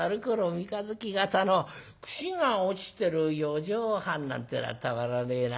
三日月形の櫛が落ちてる四畳半』なんてのはたまらねえな。